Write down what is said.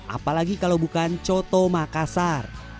apalagi kalau bukan coto makassar